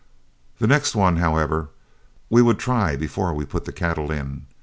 The next one, however, we would try before we put the cattle in.